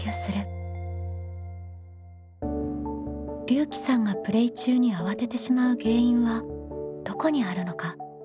りゅうきさんがプレイ中にあわててしまう原因はどこにあるのか？